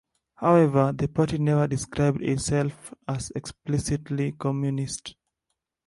However, the party never described itself as explicitly communist.